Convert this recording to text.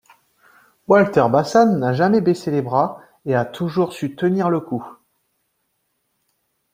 Walter Bassan n'a jamais baissé les bras et a toujours su tenir le coup.